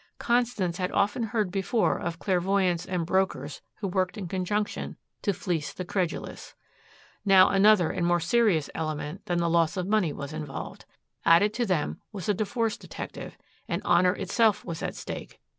Constance had often heard before of clairvoyants and brokers who worked in conjunction to fleece the credulous. Now another and more serious element than the loss of money was involved. Added to them was a divorce detective and honor itself was at stake.